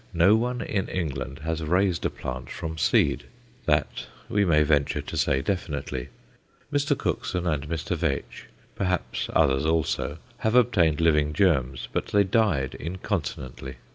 No one in England has raised a plant from seed that we may venture to say definitely. Mr. Cookson and Mr. Veitch, perhaps others also, have obtained living germs, but they died incontinently.